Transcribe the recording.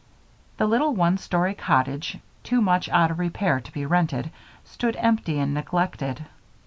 The little one story cottage, too much out of repair to be rented, stood empty and neglected.